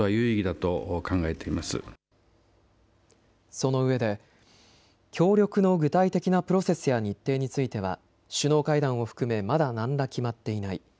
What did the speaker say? そのうえで協力の具体的なプロセスや日程については首脳会談を含めまだ何ら決まっていない。